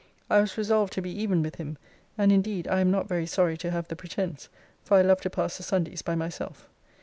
I was resolved to be even with him; and indeed I am not very sorry to have the pretence; for I love to pass the Sundays by myself.